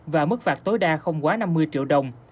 và mức phạt tối đa không quá năm mươi triệu đồng